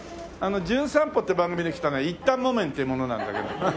『じゅん散歩』って番組で来たね一反もめんっていう者なんだけど。